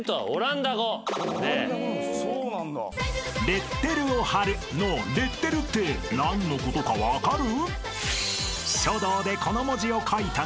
「レッテルを貼る」［「レッテル」って何のことか分かる？］